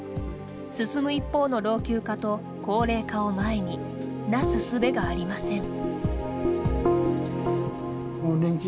進む一方の老朽化と高齢化を前になすすべがありません。